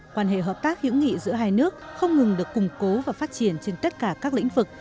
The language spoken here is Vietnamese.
quan hệ hợp tác hữu nghị giữa hai nước không ngừng được củng cố và phát triển trên tất cả các lĩnh vực